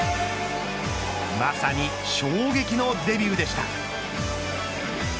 まさに衝撃のデビューでした。